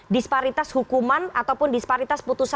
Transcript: disparitas hukuman ataupun disparitas putusan